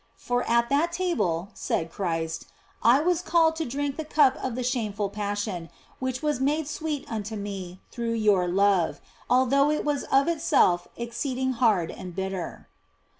" For at that table," said Christ, " I was called to drink the cup of the shameful Passion, which was made sweet unto Me through your love, although it was of itself exceeding hard and bitter."